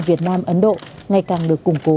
việt nam ấn độ ngày càng được củng cố